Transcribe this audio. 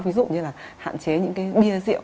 ví dụ như là hạn chế những cái bia rượu